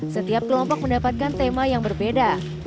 setiap kelompok mendapatkan tema yang berbeda